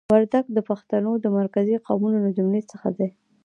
وردګ د پښتنو د مرکزي قومونو له جملې څخه دي.